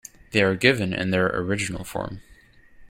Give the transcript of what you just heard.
They are given in their original form.